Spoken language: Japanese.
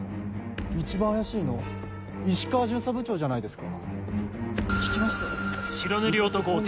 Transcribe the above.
一番怪しいの石川巡査部長じゃないですか。